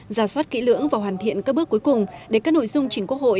giả soát kỹ lưỡng và hoàn thiện các bước cuối cùng để các nội dung chính quốc hội